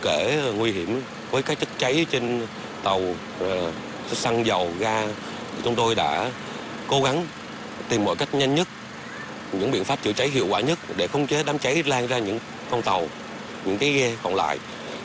để nguy hiểm với các chất cháy trên tàu xăng dầu ga chúng tôi đã cố gắng tìm mọi cách nhanh nhất những biện pháp chữa cháy hiệu quả nhất để khống chế đám cháy lan ra những con tàu những cái ghe còn lại